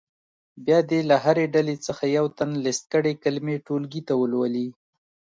بیا دې له هرې ډلې څخه یو تن لیست کړې کلمې ټولګي ته ولولي.